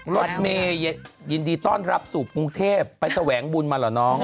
รถเมย์ยินดีต้อนรับสู่กรุงเทพไปแสวงบุญมาเหรอน้อง